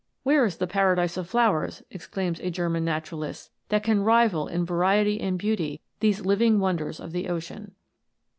" Where is the paradise of flowers," exclaims a German naturalist, " that can rival in variety and beauty these living wonders of the ocean